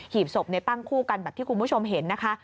หีบศพตั้งคู่กันแบบที่คุณผู้ชมเห็นนะคะ